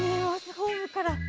ホームから。